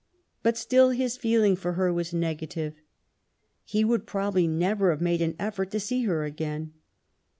But still his feeling for her was negative. He would pro bably never have made an effort to see her again.